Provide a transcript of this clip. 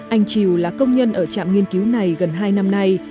anh triều là công nhân ở trạm nghiên cứu này gần hai năm nay